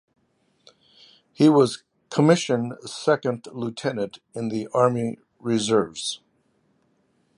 He was commissioned second lieutenant in the Army Reserves.